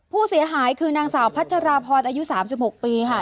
ผู้เสียหายคือนางสาวพัชราพรอายุ๓๖ปีค่ะ